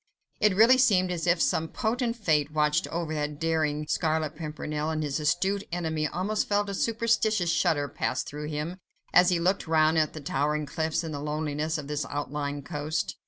It really seemed as if some potent Fate watched over that daring Scarlet Pimpernel, and his astute enemy almost felt a superstitious shudder pass through him, as he looked round at the towering cliffs, and the loneliness of this outlying coast.